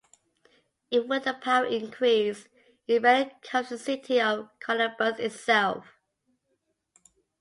Even with the power increase, it barely covers the city of Columbus itself.